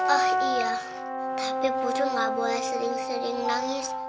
oh iya tapi pucu gak boleh sering sering nangis